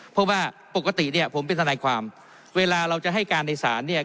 เพราะว่าปกติเนี่ยผมเป็นทนายความเวลาเราจะให้การในศาลเนี่ย